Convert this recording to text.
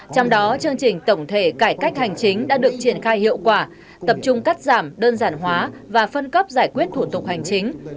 trong đó chương trình tổng thể cải cách hành chính đã được triển khai hiệu quả tập trung cắt giảm đơn giản hóa và phân cấp giải quyết thủ tục hành chính